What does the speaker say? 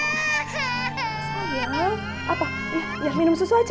sayang apa ya minum susu aja ya